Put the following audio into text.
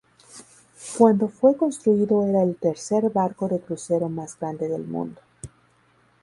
Cuando fue construido era el tercer barco de crucero más grande del mundo.